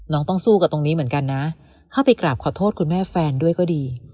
ต้องสู้กับตรงนี้เหมือนกันนะเข้าไปกราบขอโทษคุณแม่แฟนด้วยก็ดี